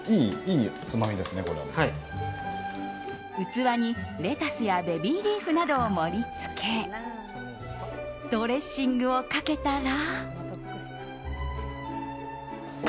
器にレタスやベビーリーフなどを盛りつけドレッシングをかけたら。